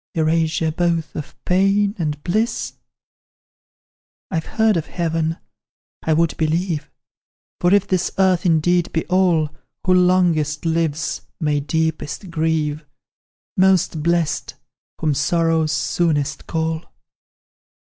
Erasure both of pain and bliss? "I've heard of heaven I would believe; For if this earth indeed be all, Who longest lives may deepest grieve; Most blest, whom sorrows soonest call.